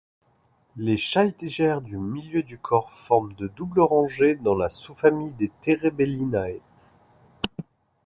Les chaetigères du milieu du corps forment de double rangées dans la sous-famille Terebellinae.